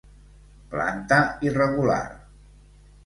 Planta irregular.